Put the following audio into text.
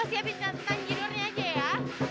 dia bisa tanggirurnya aja ya